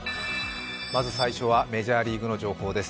まず最初はメジャーリーグの情報です。